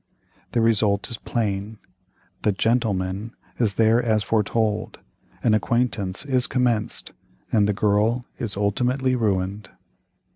The result is plain, the 'gentleman' is there as foretold, an acquaintance is commenced, and the girl is ultimately ruined.